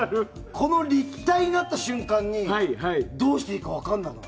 この立体になった瞬間にどうしていいか分かんないの。